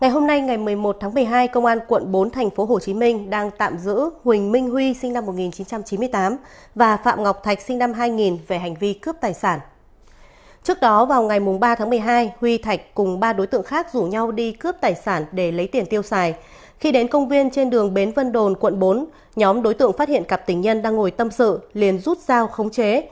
hãy đăng ký kênh để ủng hộ kênh của chúng mình nhé